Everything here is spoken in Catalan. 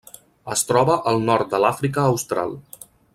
Es troba al nord de l'Àfrica Austral.